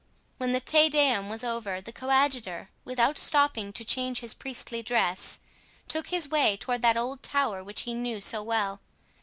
When the Te Deum was over, the coadjutor, without stopping to change his priestly dress, took his way toward that old tower which he knew so well.